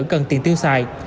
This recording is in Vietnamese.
cần tiền tiêu xài